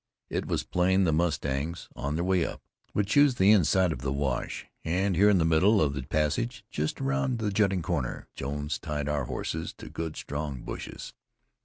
It was plain the mustangs, on their way up, would choose the inside of the wash; and here in the middle of the passage, just round the jutting corner, Jones tied our horses to good, strong bushes.